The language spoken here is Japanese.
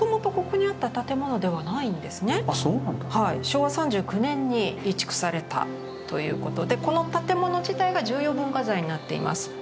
昭和３９年に移築されたということでこの建物自体が重要文化財になっています。